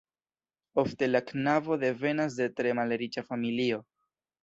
Ofte la knabo devenas de tre malriĉa familio.